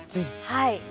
はい。